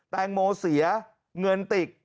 แตงโมเสียเงินติด